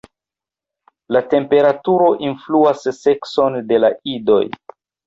La temperaturo influas sekson de la idoj.